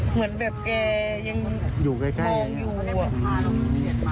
เหมือนแบบแกยังคล้องอยู่